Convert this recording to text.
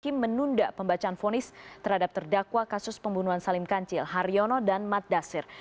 hakim menunda pembacaan fonis terhadap terdakwa kasus pembunuhan salim kancil haryono dan mat dasir